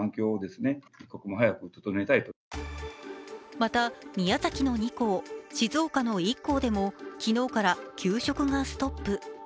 また、宮崎の２校、静岡の１校でも昨日から給食がストップ。